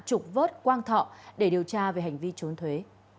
trục vớt quang thọ để điều tra về hành vi trốn thuế